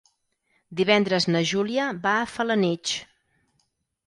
Divendres na Júlia va a Felanitx.